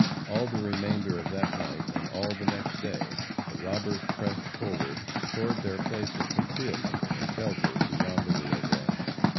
All the remainder of that night, and all the next day, the robbers pressed forward toward their place of concealment and shelter beyond the Rio Grande.